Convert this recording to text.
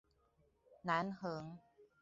南橫